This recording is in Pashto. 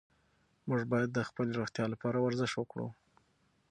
موږ باید د خپلې روغتیا لپاره ورزش وکړو.